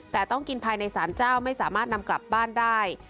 แต่ต้องกินภายในสารเจ้าไม่สามารถนำกลับบ้านได้